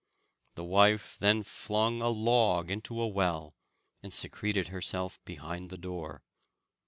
The wife then flung a log into a well, and secreted herself behind the door.